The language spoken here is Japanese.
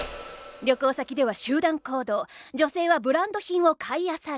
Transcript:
旅行先では集団行動女性はブランド品を買い漁る。